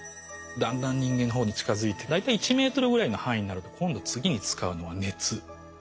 だんだん人間の方に近づいて大体１ｍぐらいの範囲になると今度次に使うのが熱。